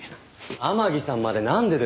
天樹さんまでなんでですか。